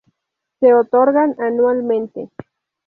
Se otorgan anualmente.